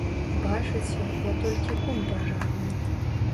Бачыце, я толькі кум пажарны.